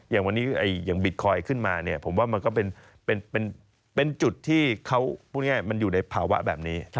อย่างวันนี้อย่างบิตคอยน์ขึ้นมาเนี่ยผมว่ามันก็เป็นจุดที่เขาพูดง่ายมันอยู่ในภาวะแบบนี้